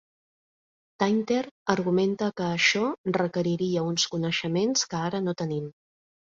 Tainter argumenta que això requeriria uns coneixements que ara no tenim.